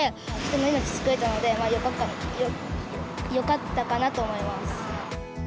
人の命救えたので、よかったかなと思います。